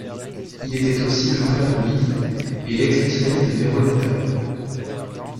Il était aussi le frère de Lilly et l'ex petit ami de Veronica.